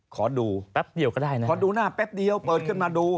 ขอดูหน้าแป๊บเดียวเปิดขึ้นมาดู